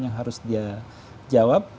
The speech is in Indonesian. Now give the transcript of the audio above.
yang harus dia jawab